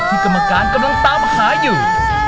กรรมการกำลังตามหาอยู่